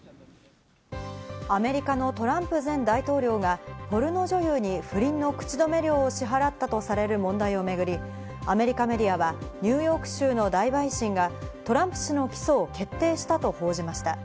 アメリカのトランプ前大統領がポルノ女優に不倫の口止め料を支払ったとされる問題をめぐり、アメリカメディアはニューヨーク州の大陪審がトランプ氏の起訴を決定したと報じました。